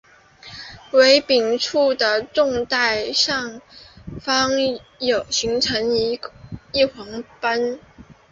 尾柄处在纵带上方形成一黄色斑。